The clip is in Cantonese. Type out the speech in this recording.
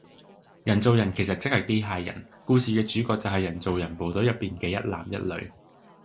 人造人其實即係機械人，故事嘅主角就係人造人部隊入面嘅一男一女